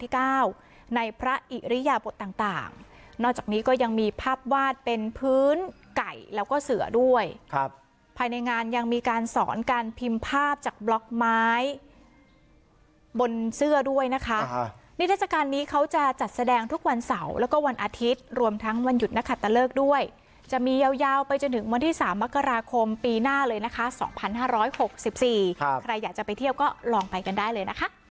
จากบล็อกไม้บนเสื้อด้วยนะคะอ่าฮะนิทยาศการนี้เขาจะจัดแสดงทุกวันเสาร์แล้วก็วันอาทิตย์รวมทั้งวันหยุดนักขัดตะเลิกด้วยจะมียาวยาวไปจนถึงวันที่สามมกราคมปีหน้าเลยนะคะสองพันห้าร้อยหกสิบสี่ครับใครอยากจะไปเทียบก็ลองไปกันได้เลยนะคะ